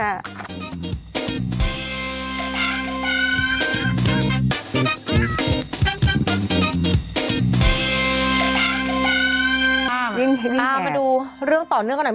เอามาดูเรื่องต่อเนื่องกันหน่อย